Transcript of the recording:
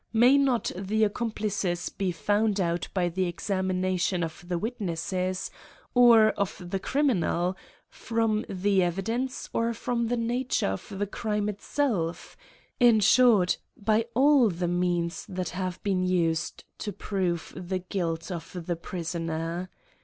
May not the accomplices be found out by the examination of the witnesses, or of the criminal ; from the evidence, or from the nature of the crime itself; in short, by all the means that have been used to prove the guilt of the prisoner?